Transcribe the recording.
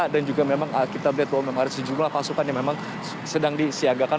dan juga memang kita lihat bahwa memang ada sejumlah pasukan yang memang sedang disiagakan